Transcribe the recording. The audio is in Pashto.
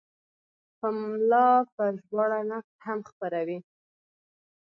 پملا په ژباړه نقد هم خپروي.